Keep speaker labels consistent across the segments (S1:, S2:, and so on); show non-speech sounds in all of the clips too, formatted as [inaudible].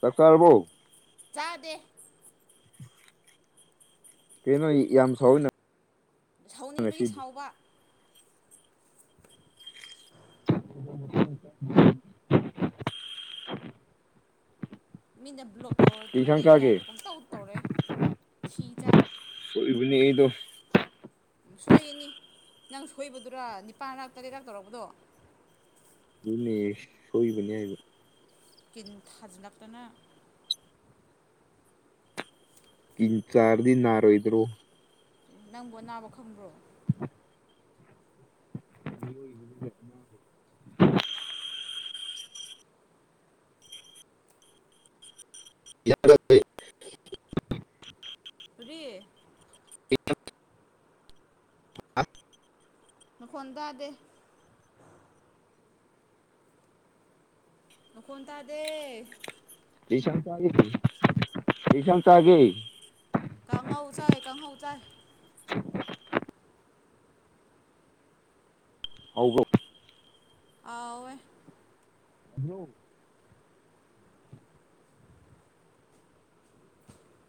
S1: ꯆꯥꯛ ꯆꯥꯔꯕꯣ
S2: ꯆꯥꯗꯦ
S1: ꯀꯩꯅꯣ ꯌꯥꯝ ꯁꯥꯎꯋꯤꯅ
S2: ꯁꯥꯎꯅꯤꯡꯕꯒꯤ
S1: ꯉꯁꯤꯗꯤ
S2: ꯁꯥꯎꯕ [unintelligible] ꯃꯤꯅ ꯕ꯭ꯂꯣꯛ ꯇꯧꯔꯣꯏ
S1: ꯀꯩ
S2: ꯇꯨꯃꯤꯟꯅ
S1: ꯏꯟꯁꯥꯡ
S2: ꯂꯩꯒꯦ
S1: ꯆꯥꯒꯦ
S2: ꯍꯥꯏꯔꯗꯤ ꯄꯨꯡꯇꯧ ꯇꯧꯔꯛꯑꯦ ꯊꯤ ꯆꯥꯏ
S1: ꯁꯣꯏꯕꯅꯦ ꯑꯩꯗꯣ
S2: ꯁꯣꯏꯔꯤꯅꯤ ꯅꯪ ꯁꯣꯏꯕꯗꯨꯔ ꯅꯤꯄꯥꯥꯟꯔꯥꯛ ꯇꯔꯦꯠꯔꯛ ꯇꯧꯔꯛꯄꯗꯣ
S1: ꯗꯨꯅꯦ ꯁꯣꯏꯕꯅꯦ ꯍꯥꯏꯕ
S2: ꯀꯤꯟ ꯊꯥꯖꯜꯂꯛꯇꯅ
S1: ꯀꯤꯟ ꯆꯥꯔꯗꯤ ꯅꯥꯔꯣꯏꯗ꯭ꯔꯣ
S2: ꯅꯪꯕꯨ ꯑꯅꯥꯕ ꯈꯪꯕ꯭ꯔꯣ
S1: [unintelligible]
S2: ꯀꯔꯤ ꯅꯈꯣꯟ ꯇꯥꯗꯦ ꯅꯈꯣꯟ ꯇꯥꯗꯦ
S1: ꯀꯩ ꯏꯟꯁꯥꯡ ꯆꯥꯒꯦ ꯀꯩ ꯏꯟꯁꯥꯡ ꯆꯥꯒꯦ
S2: ꯀꯥꯡꯍꯧ ꯆꯥꯏ ꯀꯥꯡꯍꯧ ꯆꯥꯏ
S1: ꯍꯥꯎꯕ꯭ꯔꯣ
S2: ꯑꯥꯎꯋꯦ
S1: [unintelligible]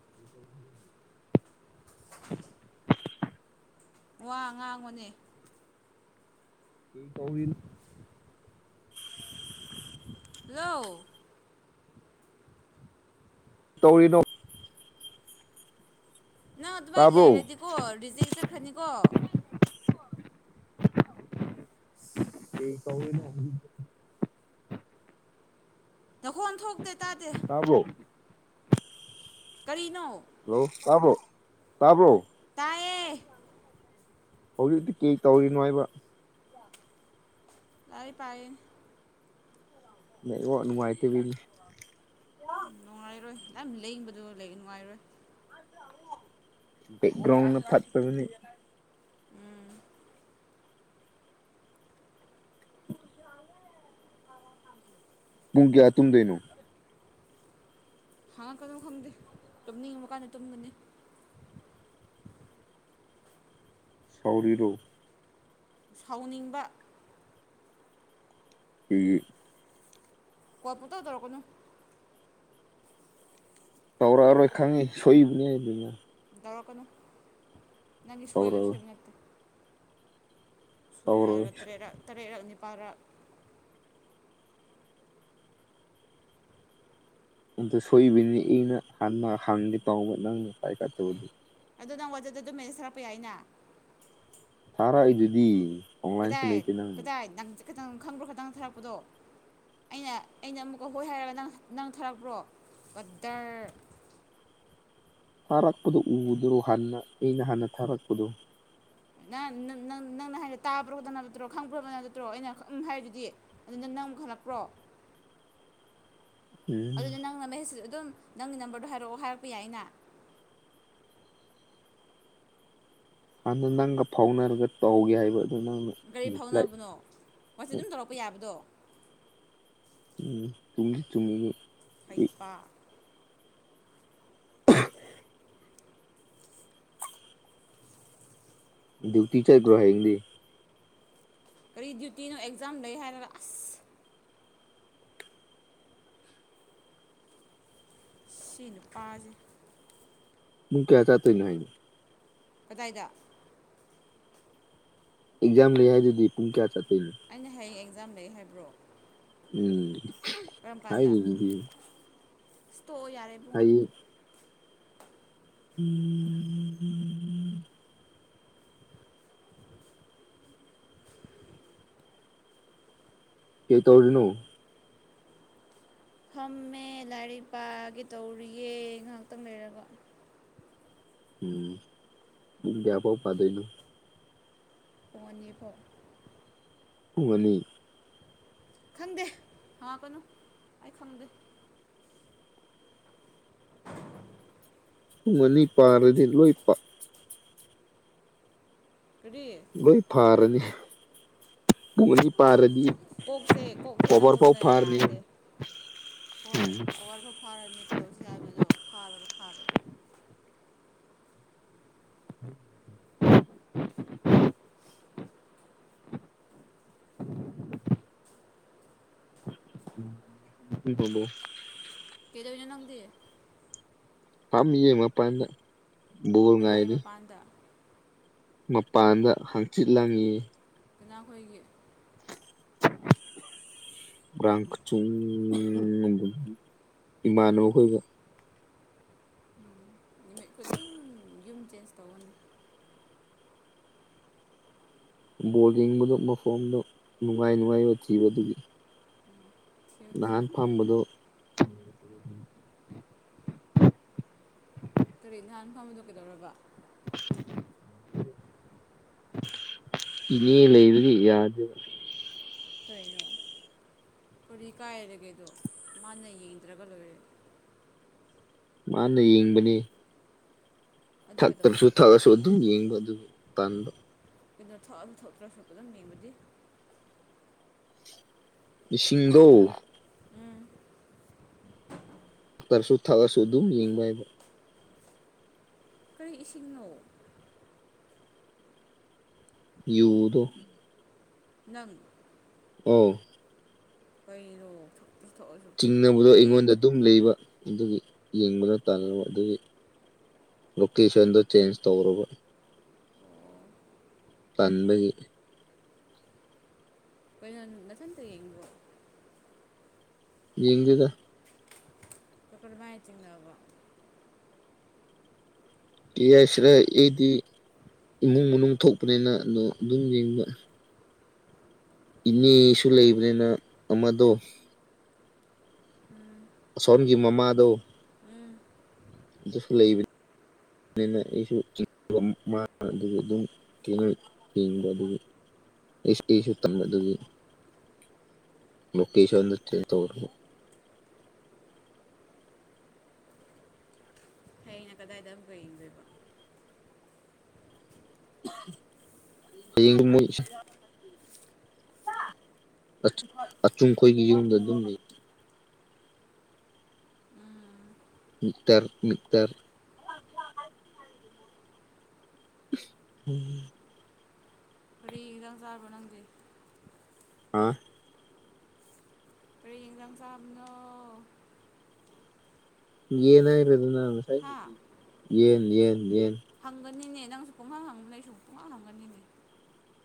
S1: [inaudible]
S2: [unintelligible] ꯋꯥ ꯉꯥꯡꯉꯣꯅꯦ
S1: ꯀꯩꯗꯧꯔꯤꯅꯣ
S2: ꯍꯜꯂꯣ
S1: ꯇꯧꯔꯤꯅꯣ
S2: ꯅꯪ ꯑꯗꯨꯃꯥꯏꯅ
S1: ꯇꯥꯕ꯭ꯔꯣ
S2: ꯂꯩꯔꯗꯤꯀꯣ ꯔꯤꯖꯦꯛ ꯆꯠꯈ꯭ꯔꯅꯤꯀꯣ
S1: ꯀꯩ ꯇꯧꯔꯤꯅꯣ ꯍꯧꯖꯤꯛ
S2: ꯅꯈꯣꯟ ꯊꯣꯛꯇꯦ ꯇꯥꯗꯦ
S1: ꯇꯥꯕ꯭ꯔꯣ
S2: ꯀꯔꯤꯅꯣ
S1: ꯍꯜꯂꯣ ꯇꯥꯕ꯭ꯔꯣ ꯇꯥꯕ꯭ꯔꯣ
S2: ꯇꯥꯏꯌꯦ
S1: ꯍꯧꯖꯤꯛꯇꯤ ꯀ꯭ꯔꯤ ꯇꯧꯔꯤꯅꯣ ꯍꯥꯏꯕ?
S2: ꯂꯥꯏꯔꯤꯛ ꯄꯥꯔꯤꯅꯤ꯫
S1: ꯅꯦꯠꯋꯥꯛ ꯅꯨꯡꯉꯥꯏꯇꯕꯤꯅꯤ꯫
S2: ꯅꯨꯡꯉꯥꯏꯔꯣꯏ ꯅꯪ ꯂꯦꯡꯕꯗꯣ ꯅꯨꯡꯉꯥꯏꯔꯣꯏ,
S1: ꯕꯦꯛꯒ꯭ꯔꯥꯎꯟꯅ ꯐꯠꯇꯕꯅꯤ,
S2: ꯎꯝ꯫
S1: ꯄꯨꯡ ꯀꯌꯥ ꯇꯨꯝꯗꯣꯏꯅꯣ?
S2: ꯍꯥꯡꯉꯛꯀꯅꯨ ꯈꯪꯗꯦ ꯇꯨꯝꯅꯤꯡꯉꯕ ꯀꯥꯟꯗ ꯇꯨꯝꯒꯅꯤ꯫
S1: ꯁꯧꯔꯤꯔꯣ?
S2: ꯁꯥꯎꯅꯤꯡꯕ꯫
S1: ꯑꯩꯒꯤ [unintelligible]
S2: ꯀꯣꯜ ꯄꯨꯡꯇꯧ ꯇꯧꯔꯛꯀꯅꯨ꯫
S1: ꯇꯧꯔꯛꯑꯔꯣꯏ ꯈꯪꯉꯤ ꯁꯣꯏꯕꯅꯤ ꯑꯗꯨꯅ꯫
S2: ꯇꯧꯔꯛꯀꯅꯨ ꯅꯪꯒꯤ ꯁꯣꯏꯕ
S1: ꯇꯧꯔꯣꯏ
S2: ꯁꯣꯏꯕ ꯅꯠꯇꯦ꯫ ꯁꯣꯏ
S1: ꯇꯧꯔꯣꯏ
S2: ꯍꯥꯏꯔꯒ ꯇꯔꯦꯠꯔꯛ ꯇꯔꯦꯠꯔꯛ ꯅꯤꯄꯥꯜꯔꯛ꯫
S1: ꯑꯗꯣ ꯁꯣꯏꯕꯅꯤ ꯑꯩꯅ ꯍꯥꯟꯅ ꯍꯥꯡꯒꯦ ꯇꯥꯎꯕ ꯅꯪꯅ ꯄꯥꯏꯈꯠꯇꯕꯗꯨ꯫
S2: ꯑꯗꯨ ꯅꯪ ꯋꯥꯠꯆꯦꯞꯇꯁꯨ ꯃꯦꯁꯦꯖ ꯊꯔꯛꯄ ꯌꯥꯏꯅ꯫
S1: ꯊꯥꯔꯛꯏꯗꯨꯗꯤ, ꯑꯣꯟꯂꯥꯏꯟꯁꯨ
S2: ꯀꯗꯥꯏ
S1: ꯂꯩꯇꯦ ꯅꯪ
S2: ꯀꯗꯥꯏ ꯅꯪ ꯖꯤꯛꯈꯇꯪ ꯈꯪꯕ꯭ꯔꯣ ꯈꯇꯪ ꯊꯥꯔꯛꯄꯗꯣ꯫ ꯑꯩꯅ ꯑꯩꯅ ꯑꯃꯨꯛꯀ ꯍꯣꯏ ꯍꯥꯏꯔꯒ ꯅꯪ ꯅꯪ ꯊꯥꯔꯛꯄ꯭ꯔꯣ? ꯀꯗꯔ,
S1: ꯊꯥꯔꯛꯄꯗꯣ ꯎꯔꯗ꯭ꯔꯣ ꯍꯥꯟꯅ ꯑꯩꯅ ꯍꯥꯟꯅ ꯊꯥꯔꯛꯄꯗꯣ꯫
S2: ꯅꯪ ꯅꯪ ꯅꯪꯅ ꯍꯥꯏꯗꯤ ꯇꯥꯕ꯭ꯔꯣꯗ ꯅꯠꯇ꯭ꯔꯣ ꯈꯪꯕ꯭ꯔꯣꯗ ꯅꯠꯇ꯭ꯔꯣ ꯑꯩꯅ ꯎꯝ ꯍꯥꯏꯗꯨꯗꯤ꯫ ꯑꯗꯨ ꯅꯪ ꯑꯃꯨꯛ ꯍꯜꯂꯛꯄ꯭ꯔꯣ?
S1: ꯎꯝ
S2: ꯑꯗꯨꯗ ꯅꯪꯅ ꯃꯦꯁ ꯑꯗꯨꯝ ꯅꯪꯒꯤ ꯅꯝꯕꯔꯗꯣ ꯍꯥꯏꯔꯛꯑꯣ ꯍꯥꯏꯔꯛꯄ ꯌꯥꯏꯅ꯫
S1: ꯍꯥꯟꯅ ꯅꯪꯒ ꯐꯥꯎꯅꯔꯒ ꯇꯧꯒꯦ ꯍꯥꯏꯕ ꯑꯗꯨ ꯅꯪꯅ,
S2: ꯀꯔꯤ
S1: ꯔꯤꯄ꯭ꯂꯥꯏ
S2: ꯐꯥꯎꯅꯕꯅꯣ ꯋꯥꯠꯆꯞ ꯑꯗꯨꯝ ꯇꯧꯔꯛꯄ ꯌꯥꯕꯗꯣ꯫
S1: ꯎꯝ ꯆꯨꯝꯒꯤ ꯆꯨꯝꯃꯤꯅꯦ꯫
S2: ꯍꯩꯄꯥ,
S1: [unintelligible] ꯗ꯭ꯌꯨꯇꯤ ꯆꯠꯒ꯭ꯔꯣ ꯍꯌꯦꯡꯗꯤ꯫
S2: ꯀꯔꯤ ꯗ꯭ꯌꯨꯇꯤꯅꯣ ꯑꯦꯛꯖꯥꯝ ꯂꯩ ꯍꯥꯏꯔꯒ ꯑꯁ, ꯁꯤ ꯅꯨꯄꯥꯖꯤ꯫
S1: ꯄꯨꯡ ꯀꯌꯥ ꯆꯠꯇꯣꯏꯅꯣ ꯍꯌꯦꯡ?
S2: ꯀꯗꯥꯏꯗ?
S1: ꯑꯦꯛꯖꯥꯝ ꯂꯩ ꯍꯥꯏꯗꯨꯗꯤ, ꯄꯨꯡ ꯀꯌꯥ ꯆꯠꯇꯣꯏꯅꯣ?
S2: ꯑꯩꯅ, ꯍꯌꯦꯡ ꯑꯦꯛꯖꯥꯝ ꯂꯩ ꯍꯥꯏꯕ꯭ꯔꯣ?
S1: ꯎꯝ ꯍꯥꯏꯔꯤꯗꯨꯗꯤ꯫
S2: ꯏꯁ ꯇꯣꯛꯑꯣ ꯌꯥꯔꯦ꯫ ꯏꯕꯨꯡ
S1: [unintelligible] [inaudible] ꯀꯩ ꯇꯧꯔꯤꯅꯣ?
S2: ꯐꯝꯃꯦ ꯂꯥꯏꯔꯤꯛ ꯄꯥꯒꯦ ꯇꯧꯔꯤꯌꯦ ꯉꯥꯍꯛꯇꯪ ꯂꯩꯔꯒ꯫
S1: ꯎꯝ, ꯄꯨꯡ ꯀꯌꯥꯐꯥꯎ ꯄꯗꯣꯏꯅꯣ?
S2: ꯄꯨꯡ ꯑꯅꯤ ꯐꯥꯎ꯫
S1: ꯄꯨꯡ ꯑꯅꯤ꯫
S2: ꯈꯪꯗꯦ, ꯍꯪꯉꯛꯀꯅꯨ ꯑꯩ ꯈꯪꯗꯦ꯫ inaudible [inaudible]
S1: ꯄꯨꯡ ꯑꯅꯤ ꯄꯥꯔꯗꯤ ꯂꯣꯏ ꯄꯥ
S2: ꯀꯔꯤ?
S1: ꯂꯣꯏ ꯐꯥꯔꯅꯤ꯫ ꯄꯨꯡ ꯑꯅꯤ ꯄꯥꯔꯗꯤ
S2: ꯀꯣꯛꯁꯦ ꯀꯣꯛꯁꯦ
S1: ꯀꯣꯕꯔ ꯐꯥꯎ
S2: ꯅꯪꯒꯨꯝꯅ
S1: ꯐꯥꯔꯅꯤ
S2: ꯌꯥꯗꯦ ꯍꯣꯏ ꯀꯣꯕꯥꯔꯐꯨ ꯐꯥꯔꯅꯤ ꯀꯩꯗꯧꯁꯤ ꯍꯥꯏꯕꯅꯣ ꯐꯥꯔꯒ ꯐꯥꯔꯦ
S1: [inaudible] ꯎꯝ ꯅꯨꯄꯤꯕꯣꯂꯣ
S2: ꯀꯩꯗꯧꯔꯤꯅꯣ ꯅꯪꯗꯤ
S1: ꯐꯝꯃꯤꯌꯦ ꯃꯄꯥꯟꯗꯥ
S2: ꯀꯅꯥꯏ ꯃꯄꯥꯟꯗ
S1: ꯃꯄꯥꯟꯗ ꯍꯪꯆꯤꯠ ꯂꯪꯏ
S2: ꯀꯅꯥ ꯈꯣꯏꯒꯤ
S1: ꯭ꯉꯥꯔꯥꯡ ꯀꯆꯨꯡ ꯏꯃꯥꯟꯅꯕ ꯍꯣꯏꯒꯥ
S2: ꯎꯝ ꯅꯨꯃꯤꯠ ꯈꯨꯗꯤꯡ ꯌꯨꯝ ꯆꯦꯟꯖ ꯇꯧꯔꯣꯅꯦ
S1: ꯕꯣꯜ ꯌꯦꯡꯕꯗꯣ ꯃꯐꯝꯗꯣ ꯅꯨꯡꯉꯥꯏ ꯅꯨꯡꯉꯥꯏꯕ ꯊꯤꯕ ꯑꯗꯨꯒꯤ
S2: ꯊꯤꯌꯨ ꯊꯤꯌꯨ
S1: ꯅꯍꯥꯟ ꯐꯝꯕꯗꯣ
S2: ꯀꯔꯤ ꯅꯍꯥꯟ ꯐꯝꯕꯗꯣ ꯀꯩꯗꯧꯔꯕ
S1: [inaudible]
S2: [inaudible]
S1: ꯏꯕꯦꯟ ꯂꯩꯕꯒꯤ ꯌꯥꯗꯦꯕ
S2: ꯀꯩꯅꯣ ꯀꯔꯤ ꯀꯥꯏꯔꯒꯦꯗꯣ ꯃꯥꯅ ꯌꯦꯡꯗ꯭ꯔꯒ ꯂꯣꯏꯔꯦ
S1: ꯃꯥꯅ ꯌꯦꯡꯕꯅꯦ
S2: ꯑꯗꯨ
S1: ꯊꯛꯇ꯭ꯔꯁꯨ
S2: ꯀꯩꯗꯧꯕ
S1: ꯊꯛꯑꯁꯨ ꯑꯗꯨꯝ ꯌꯦꯡꯕ ꯑꯗꯨ ꯇꯟꯕ
S2: ꯀꯩꯅꯣ ꯊꯛꯑꯁꯨ ꯊꯛꯇ꯭ꯔꯁꯨ ꯑꯗꯨꯝ ꯌꯦꯡꯕꯗꯤ
S1: ꯏꯁꯤꯡꯗꯣ
S2: ꯎꯝ
S1: ꯇꯛꯑꯁꯨ ꯊꯛꯑꯁꯨ ꯑꯗꯨꯝ ꯌꯦꯡꯕ ꯍꯥꯏꯕ
S2: ꯀꯔꯤ ꯏꯁꯤꯡꯅꯣ
S1: ꯌꯨꯗꯣ
S2: ꯅꯪ
S1: ꯑꯣ
S2: ꯀꯩꯅꯣ ꯊꯛꯇ꯭ꯔꯁꯨ ꯊꯛꯑꯁꯨ
S1: ꯆꯤꯡꯅꯕꯗꯣ
S2: ꯀꯔꯤ
S1: ꯑꯩꯉꯣꯟꯗ ꯑꯗꯨꯝ ꯂꯩꯕ ꯑꯗꯨꯒꯤ ꯌꯦꯡꯕꯗ ꯇꯥꯟꯕ ꯑꯗꯨꯒꯤ ꯂꯣꯀꯦꯁꯟꯗꯣ ꯆꯦꯟꯖ ꯇꯧꯔꯕ
S2: ꯑꯣ
S1: ꯇꯥꯟꯕꯒꯤ
S2: ꯀꯩꯅꯣ ꯃꯊꯟꯇꯥ ꯌꯦꯡꯕꯔꯣ
S1: ꯌꯦꯡꯗꯦꯗ
S2: ꯀꯔꯝ ꯃꯥꯏꯅ ꯆꯤꯡꯅꯕ꯭ꯔꯣ
S1: ꯌꯥꯏꯁꯤꯔ ꯑꯩꯗꯤ ꯏꯃꯨꯡ ꯃꯅꯨꯡ ꯊꯣꯛꯄꯅꯤꯅ ꯑꯗꯣ ꯑꯗꯨꯝ ꯌꯦꯡꯕ ꯏꯅꯦꯁꯨ ꯂꯩꯕꯅꯤꯅ ꯑꯃꯗꯣ ꯑꯁꯣꯟꯒꯤ ꯃꯃꯥꯗꯣ ꯑꯗꯨꯁꯨ ꯂꯩꯕꯅꯤ꯫ ꯑꯗꯨꯅ ꯑꯩꯁꯨ ꯃꯥ ꯑꯗꯨꯁꯨ ꯑꯗꯨꯝ ꯊꯦꯅꯩ ꯌꯦꯡꯕ ꯑꯗꯨꯒ ꯑꯩꯁꯨ ꯑꯩꯁꯨ ꯇꯟꯕ ꯑꯗꯨꯒꯤ ꯂꯣꯀꯦꯁꯟꯗꯣ ꯆꯦꯟꯖ ꯇꯧꯕ
S2: ꯍꯩꯅ ꯀꯗꯥꯏꯗ ꯌꯦꯡꯗꯣꯏꯕ
S1: ꯍꯌꯦꯡꯗꯣ ꯃꯣꯏ ꯑꯆꯨꯝ ꯑꯆꯨꯝꯈꯣꯏꯒꯤ ꯌꯨꯝꯗ ꯑꯗꯨꯝ ꯂꯩ ꯃꯤꯇꯔ ꯃꯤ ꯇꯔ ꯎꯝ
S2: ꯀꯔꯤ ꯏꯟꯁꯥꯡ ꯆꯥꯕ ꯅꯪꯗꯤ
S1: ꯑ
S2: ꯁꯔꯤ ꯑꯦꯡꯖꯝ ꯆꯕꯅꯣ꯫
S1: ꯌꯦꯅꯏꯕꯗꯨꯅ
S2: ꯍꯥ
S1: ꯌꯦꯟ ꯌꯦꯟ ꯌꯦꯟ
S2: ꯍꯪꯒꯅꯤꯅꯦ ꯅꯪꯁꯨ ꯈꯣꯡꯈꯥꯡ ꯍꯥꯡ ꯅ ꯑꯩꯁꯨ ꯈꯣꯡꯈꯥꯡ ꯍꯥꯡꯒꯅꯤꯅꯦ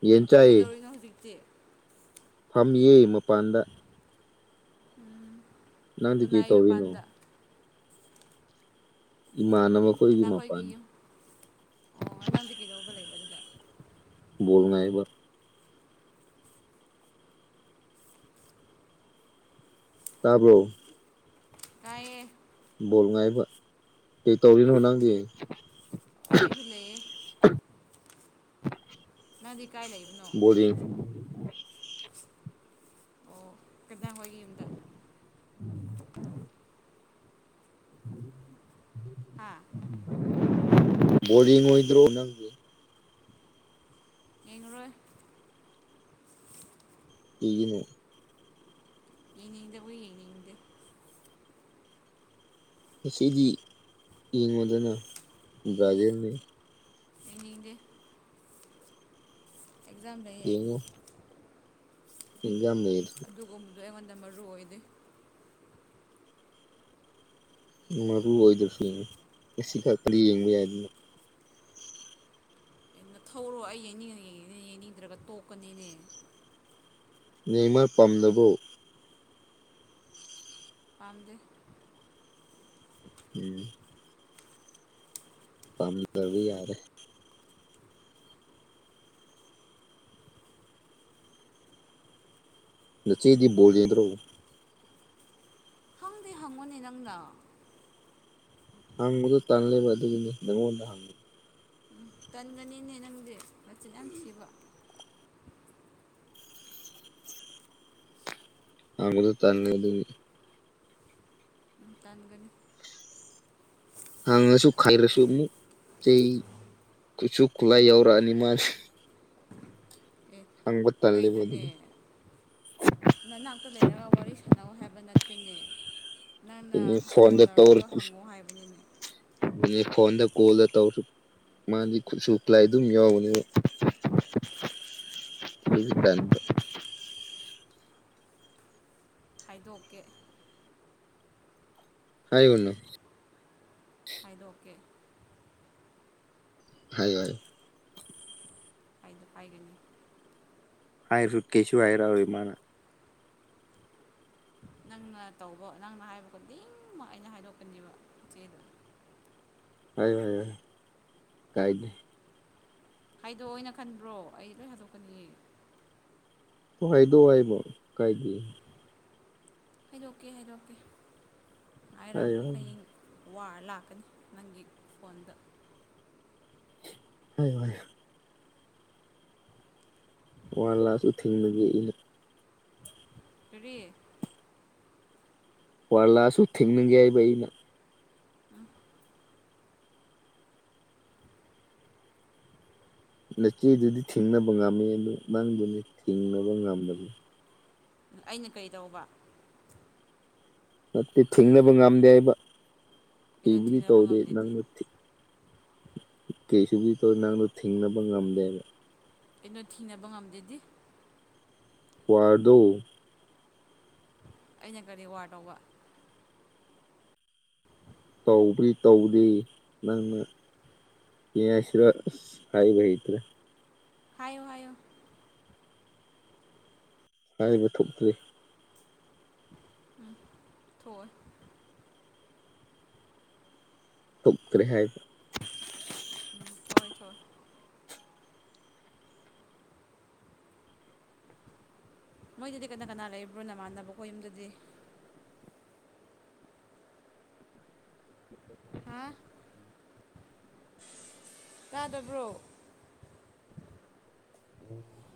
S1: ꯌꯦꯟ
S2: ꯀꯩꯗꯧꯔꯤꯅꯣ ꯍꯧꯖꯤꯛꯇꯤ
S1: ꯐꯝ ꯌꯦ ꯃꯄꯥꯟꯗ ꯅꯪꯗꯤ ꯀꯩ
S2: ꯀꯅꯥꯒꯤ
S1: ꯇꯧꯔꯤꯅꯣ
S2: ꯃꯄꯥꯟꯗ
S1: ꯃꯅꯅꯕ
S2: ꯀꯅꯥꯈꯣꯏꯒꯤ ꯑꯣ ꯅꯪꯗꯤ ꯀꯩꯗꯧꯕ ꯂꯩꯕ ꯑꯗꯨꯗ
S1: ꯣꯅ ꯑꯩꯕ ꯇꯥꯕ꯭ꯔꯣ
S2: ꯀꯌꯦ
S1: ꯣꯜ ꯉꯥꯏꯕ ꯀꯩ ꯇꯧꯔꯤꯅꯣ ꯅꯪꯗꯤ
S2: ꯑꯩꯁꯨ ꯂꯩꯌꯦꯦ
S1: ꯎ
S2: ꯅꯪꯗꯤ ꯀꯥꯏ ꯂꯩꯕꯅꯣ ꯗꯥꯡ ꯍꯣꯏꯒꯤ ꯌꯨꯝꯗ
S1: ꯎꯝ
S2: ꯍꯥꯥ
S1: ꯕꯣꯗꯤ ꯑꯣꯏꯗ꯭ꯔꯣ ꯅꯪ
S2: ꯌꯦꯡꯂꯉꯨꯔꯣꯏ
S1: ꯏꯒꯤꯅꯦ
S2: ꯌꯦꯡꯅꯤꯡꯗꯕꯨ ꯌꯦꯡꯅꯤꯡꯗꯦ
S1: ꯉꯗꯤ ꯌꯦꯡꯉꯣꯗꯅ ꯕ꯭ꯔꯥꯖꯤꯜꯅꯤ
S2: ꯌꯦꯅꯤꯡꯗꯤꯦ ꯑꯦꯛꯖꯥꯝ ꯂꯩꯩ
S1: ꯏꯖꯥ ꯂꯩꯔ
S2: ꯑꯗꯨꯒꯨꯝꯕꯗꯣ ꯑꯩꯉꯣꯟꯗ ꯃꯔꯨ ꯑꯣꯏꯗꯦ
S1: ꯃꯔꯨ ꯑꯣꯏꯗ꯭ꯔꯁꯨ ꯌꯦꯡꯉꯤ ꯉꯁꯤ ꯈ ꯀꯔꯤ ꯌꯦꯡꯕ ꯌꯥꯏꯗꯅꯣ
S2: ꯑ ꯊꯧꯔꯣ ꯑꯩ ꯌꯦꯡꯅꯤꯡꯉꯅꯤꯡ ꯌꯦꯡꯅꯤꯡꯗ꯭ꯔꯒ ꯇꯣꯛꯀꯅꯤꯅꯦ
S1: ꯅꯃ ꯄꯝꯗꯕꯨ
S2: ꯄꯝꯗ
S1: ꯎꯝ ꯀꯝꯗꯕꯤ ꯌꯥꯔꯦ ꯅꯆꯦꯗꯤꯕꯣꯜ ꯏꯗꯔꯣ
S2: ꯅꯪꯗꯤ ꯍꯪꯉꯨꯅꯦ ꯅꯪꯗ
S1: ꯍꯪꯗ ꯇꯥꯟ ꯂꯩꯕ ꯑꯗꯨꯉꯣ ꯍꯪ
S2: ꯇꯟꯒꯅꯤꯅꯦ ꯅꯪꯗꯤ ꯃꯆꯤꯟ ꯌꯥꯝ ꯊꯤꯕ
S1: ꯑꯗꯨ ꯇꯅꯤ ꯑꯗꯨ
S2: ꯇꯟꯒꯅꯤ
S1: ꯍꯥꯡꯉꯁꯨ ꯈꯥꯏꯔꯁꯨ ꯑꯃꯨꯛ ꯆꯩ ꯈꯨꯠꯁꯨ ꯈꯨꯠꯂꯥꯏ ꯌꯥꯎꯔꯛꯑꯅꯤ ꯃꯥꯁ
S2: ꯑꯦ
S1: ꯇꯜꯂꯦꯕ
S2: ꯀꯩꯅꯣꯅꯦ
S1: ꯑꯗꯨꯒꯤ
S2: ꯅꯅꯥꯛꯇ ꯂꯩꯔꯒ ꯋꯥꯔꯤ ꯁꯥꯟꯅꯧ ꯍꯥꯏꯕ ꯅꯠꯇꯦꯅꯦ ꯅꯪꯅ
S1: ꯑꯗꯨꯅꯦ ꯐꯣꯟꯗ ꯇꯧꯔ
S2: ꯑꯣꯗꯧꯔꯒ ꯍꯪꯉꯣ ꯍꯥꯏꯕꯅꯤꯅꯦ
S1: ꯐꯣꯟꯗ ꯀꯣꯜ ꯑ ꯇꯁꯨ ꯃꯥꯗꯤ ꯈꯨꯠꯁꯨ ꯈꯨꯠꯂꯥꯏ ꯑꯗꯨꯝ ꯌꯥꯎꯕꯅꯦꯕ ꯍ ꯆ
S2: ꯈꯥꯏꯗꯣꯛꯀꯦ
S1: ꯍꯥꯏꯒꯅꯣ
S2: ꯍꯥꯏꯗꯣ ꯑꯣꯀꯦ
S1: ꯍꯥꯏ ꯍ
S2: ꯗ ꯄꯥꯏꯒꯅꯤ
S1: ꯍꯥꯏꯔ ꯐꯨꯠ ꯀꯦꯁꯨ ꯍꯥꯏꯔꯥꯎꯑꯣ ꯏ ꯃꯥꯅ
S2: ꯅꯪꯅ ꯇꯧꯕ ꯅꯪꯅ ꯍꯥꯏꯕ ꯈꯨꯣꯗꯤꯡꯃꯛ ꯑꯩꯅ ꯍꯥꯏꯗꯣꯛꯀꯅꯦꯕ ꯏꯆꯦꯗꯣ
S1: ꯍꯥꯏꯌ ꯍꯥꯏꯌꯣ ꯍꯥꯏꯌ ꯀꯥꯏꯗ
S2: ꯍꯥꯏꯗꯣꯑꯣ ꯑꯣꯏꯅ ꯈꯟꯕ꯭ꯔꯣ ꯑꯩ ꯂꯣꯏ ꯍꯥꯗꯣꯛꯀꯅꯤ
S1: ꯇꯣ ꯍꯥꯏꯗꯣ ꯍꯥꯏꯕ ꯀꯥꯏꯒꯤ
S2: ꯍꯥꯏꯩꯗꯣꯛꯀꯦ ꯍꯥꯏꯩꯗꯣꯛꯀꯦ
S1: ꯍꯥꯏꯌꯣ
S2: ꯍꯥꯏꯔꯝꯃꯣ
S1: ꯍꯥꯏꯌꯣ
S2: ꯍꯌꯦꯡ ꯋꯥꯔ ꯂꯥꯛꯀꯅꯤ ꯅꯪꯒꯤ ꯐꯣꯟꯗ
S1: ꯍꯣꯏ ꯍꯣꯏ ꯋꯥꯟ ꯂꯥꯁ ꯎ ꯊꯤꯡꯕꯒꯤ ꯑꯩꯅ
S2: ꯇꯔꯤ
S1: ꯋꯥꯔꯂꯁꯨ ꯊꯦꯡꯅꯒꯦ ꯍꯥꯏꯕꯩꯩꯅꯪ ꯅꯆꯦꯗꯨꯗꯤ ꯊꯤꯡꯅꯕ ꯉꯝꯃꯤ ꯑꯗꯨ ꯅꯪꯗꯨꯅꯤ ꯊꯤꯡꯅꯕ ꯉꯝꯗꯅꯤ
S2: ꯑꯩꯅ ꯀꯩꯗꯧꯕ
S1: ꯅꯠꯇꯦ ꯊꯦꯡꯅꯕ ꯉꯝꯗꯦ ꯍꯥꯏꯕ
S2: ꯑꯩꯅ
S1: ꯍꯤꯕꯨꯗꯤ
S2: ꯊꯦꯡꯅꯕ
S1: ꯇꯧꯗꯦ
S2: ꯉꯝꯗꯦꯗꯤ
S1: ꯅꯪꯅ ꯀꯩꯁꯨ ꯊꯣꯛ ꯅꯅꯥꯪꯅ ꯊꯤꯤꯡꯅ ꯄ ꯉꯝꯗꯦ
S2: ꯀꯩꯅꯣ ꯊꯤꯅꯕ ꯉꯝꯗꯦꯗꯤ
S1: ꯀ꯭ꯋꯥꯔꯗꯣ
S2: ꯑꯩꯅ ꯀꯔꯤ ꯋꯥꯔ ꯇꯧꯕ
S1: ꯇꯧꯕ꯭ꯔꯤ ꯇꯧꯗ꯭ꯔꯤ ꯅꯪꯅ ꯌꯦ ꯍꯥꯏꯁꯤꯔꯣ ꯍꯥꯏꯥꯏꯕꯍꯤ ꯏꯇ꯭ꯔ
S2: ꯍꯥꯏꯑꯣ ꯍꯥꯏꯑꯣ
S1: ꯍꯥꯏꯔꯤꯕ ꯊꯣꯛꯇ꯭ꯔꯤ
S2: ꯎꯝ ꯊꯣꯏ
S1: ꯇꯞ ꯀꯔꯤꯍꯥꯏꯗ
S2: ꯎꯝ ꯊꯣꯛꯣꯏ ꯊꯣꯏ ꯃꯣꯏꯗꯨꯗꯤ ꯀꯅꯥ ꯀꯅꯥ ꯂꯩꯕ꯭ꯔꯣ ꯅꯃꯥꯟꯅꯕꯈꯣ ꯌꯨꯝꯗꯨꯗꯤ ꯍꯥ ꯇꯥꯗꯕ꯭ꯔꯣ
S1: ꯎꯝ